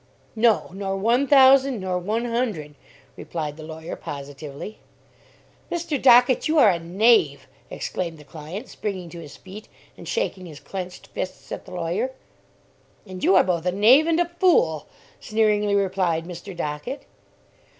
"No, nor one thousand, nor one hundred," replied the lawyer positively. "Mr. Dockett, you are a knave!" exclaimed the client, springing to his feet and shaking his clenched fists at the lawyer. "And you are both a knave, and a fool," sneeringly replied Mr. Dockett.